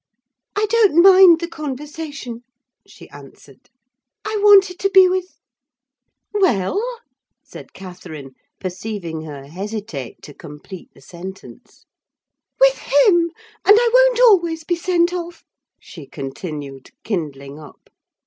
"I don't mind the conversation," she answered: "I wanted to be with—" "Well?" said Catherine, perceiving her hesitate to complete the sentence. "With him: and I won't be always sent off!" she continued, kindling up.